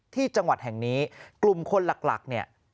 ที่จังหวัดแห่งนี้กลุ่มคนหลักเนี่ย